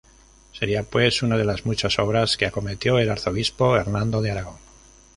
Sería pues, una de las muchas obras que acometió el arzobispo Hernando de Aragón.